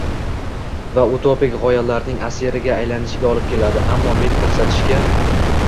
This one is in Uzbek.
va utopik g‘oyalarning asiriga aylanishiga olib keladi. Ammo men ko‘rsatishga